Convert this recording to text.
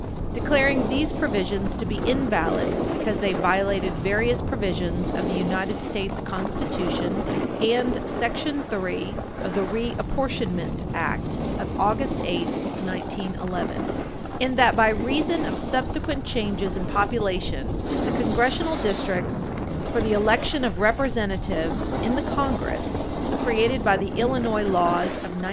§ 400, declaring these provisions to be invalid because they violated various provisions of the United States Constitution and § 3 of the Reapportionment Act of August 8, 1911, 37 Stat. 13 as amended, 2 U.S.C. § 2a, in that, by reason of subsequent changes in population, the Congressional districts for the election of Representatives in the Congress created by the Illinois Laws of 1901 (Ill.